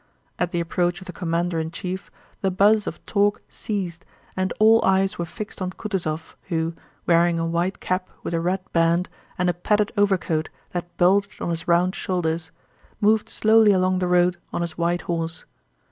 At the approach of the commander in chief the buzz of talk ceased and all eyes were fixed on Kutúzov who, wearing a white cap with a red band and a padded overcoat that bulged on his round shoulders, moved slowly along the road on his white horse.